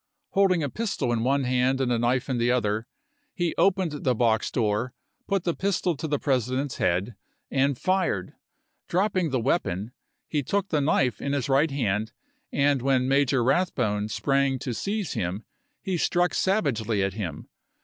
Holding a pistol in one hand and a knife in the other, he opened the box door, put the pistol to the President's head, and fired ; dropping the weapon, he took the knife in his right hand, and when Major Rathbone sprang to seize him he struck savagely at him.